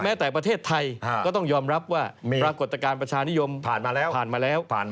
แม้แต่ประเทศไทยก็ต้องยอมรับว่าปรากฏการณ์ประชานิยมผ่านมาแล้ว